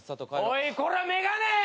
おいこら眼鏡！